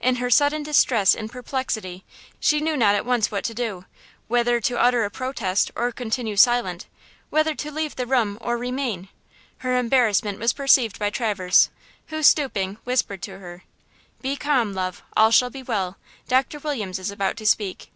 In her sudden distress and perplexity she knew not at once what to do–whether to utter a protest or continue silent; whether to leave the room or remain. Her embarrassment was perceived by Traverse, who, stooping, whispered to her: "Be calm, love; all shall be well. Doctor Williams is about to speak."